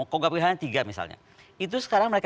kogak wilhan tiga misalnya itu sekarang mereka